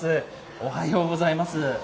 おはようございます。